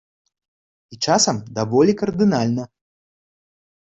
І часам даволі кардынальна.